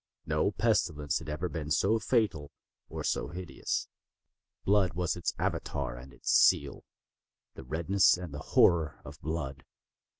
No pestilence had ever been so fatal, or so hideous. Blood was its Avatar and its seal—the redness and the horror of blood.